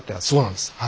そうなんです。